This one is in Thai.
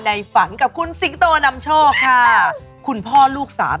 ในฝันเหรอครับ